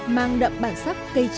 mang đậm bản sắc cây tre việt nam